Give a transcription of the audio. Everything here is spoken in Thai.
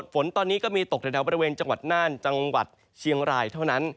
ฝนตอนนี้ก็มีตกแถวบริเวณจังหวัดน่านจังหวัดเชียงรายเท่านั้น